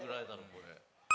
これ。